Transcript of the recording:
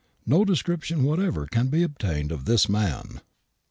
No description whatever can be obtained of this man.